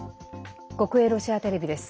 国営ロシアテレビです。